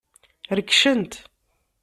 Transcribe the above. Rekcen-t.